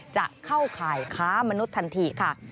จะเข้าข่ายค้ามนุษย์ทันทีค่ะ